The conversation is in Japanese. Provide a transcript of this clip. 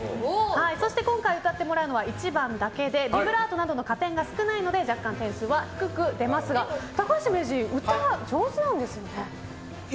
そして今回歌ってもらうのは１番だけでビブラートなどの加点が少ないので若干、点数は低く出ますが高橋名人、歌上手なんですよね。